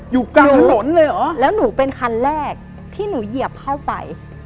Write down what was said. อยู่กลางถนนเลยเหรอแล้วหนูเป็นคันแรกที่หนูเหยียบเข้าไป